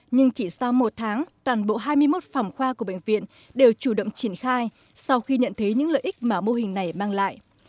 nhưng chỉ sau một tháng toàn bộ hai mươi một phòng khoa của bệnh viện đều chủ động triển khai sau khi nhận thấy những lợi ích mà mô hình này mang lại